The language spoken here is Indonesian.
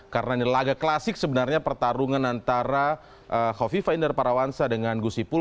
karena ini laga klasik sebenarnya pertarungan antara khofifah indra parawansa dengan gus ipul